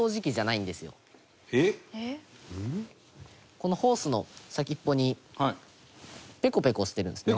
このホースの先っぽにペコペコしてるんですね。